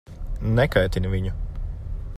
Nekaitini viņu.